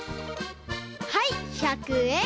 はい１００えん。